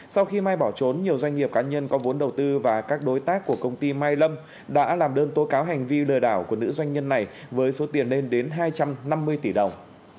sau khi mai bỏ trốn nhiều doanh nghiệp cá nhân có vốn đầu tư và các đối tác của công ty mai lâm đã làm đơn tố cáo hành vi lừa đảo của nữ doanh nhân này với số tiền lên đến hai trăm năm mươi tỷ đồng